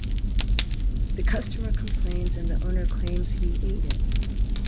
The customer complains and the owner claims he ate it.